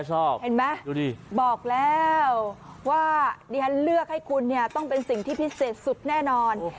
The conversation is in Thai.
เห็นปะบอกแล้วว่ายังเลือกให้คุณต้องเป็นสิ่งที่พิเศษสุดแน่นอน